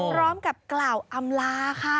พร้อมกับกล่าวอำลาค่ะ